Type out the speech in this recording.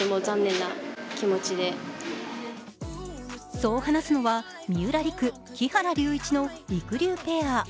そう話すのは、三浦璃来・木原龍一のりくりゅうペア。